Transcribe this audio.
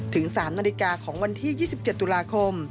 ถึง๓นาฬิกาของวันที่๒๗ตุลาคม